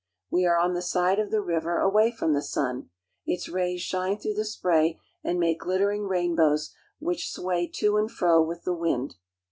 We are on the side of the river away from the sun. Its rays shine through the spray, and make glittering rainbows which sway to and fro with the wind.